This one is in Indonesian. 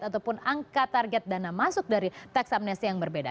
ataupun angka target dana masuk dari tax amnesty yang berbeda